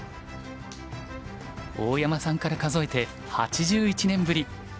大山さんから数えて８１年ぶり。